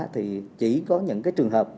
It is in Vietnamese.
thì chỉ có những cái trường hợp